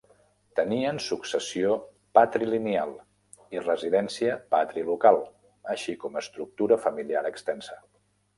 Tenien successió patrilineal i residència patrilocal, així com estructura familiar extensa.